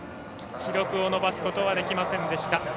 記録を伸ばすことはできませんでした。